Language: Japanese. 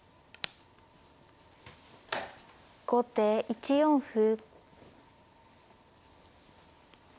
後手１四歩。